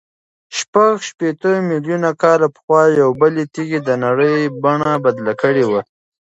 شپږ شپېته میلیونه کاله پخوا یوې بلې تېږې د نړۍ بڼه بدله کړې وه.